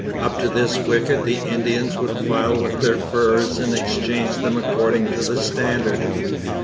Up to this wicket the Indians would file with their furs and exchange them according to the standard.